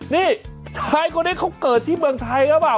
นี่ชายคนนี้เขาเกิดที่เมืองไทยหรือเปล่า